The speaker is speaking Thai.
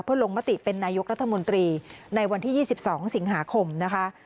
เพื่อลงมติเป็นนายกรัฐมนตรีในวันที่๒๒สิงหาคมนะคะ